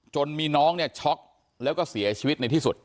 จนมีน้องเนี่ยช็อกแล้วก็เสียชีวิตในที่สุด